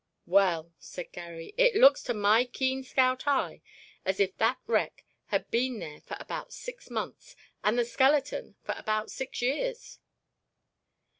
"Well," said Garry, "it looks to my keen scout eye as if that wreck had been there for about six months and the skeleton for about six years."